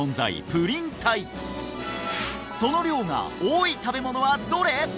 プリン体その量が多い食べ物はどれ？